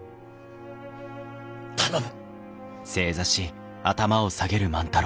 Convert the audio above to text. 頼む！